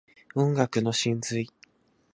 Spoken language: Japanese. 音楽の真髄